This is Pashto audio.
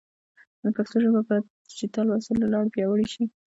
پښتو ژبه باید د ډیجیټل وسایلو له لارې پیاوړې شي.